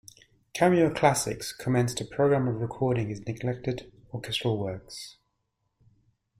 Cameo Classics commenced a programme of recording his neglected orchestral works.